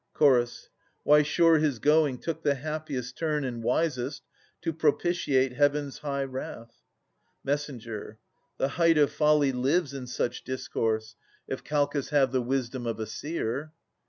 Ch. Why, sure his going took the happiest turn And wisest, to propitiate Heaven's high wrath. Mess. The height of folly lives in such discourse, 746 775] Ams 79 If Calchas have the wisdom of a seer.